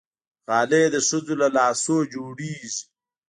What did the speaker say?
غالۍ د ښځو له لاسونو جوړېږي.